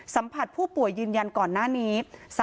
สัมผัสผู้ป่วยยืนยันก่อนหน้านี้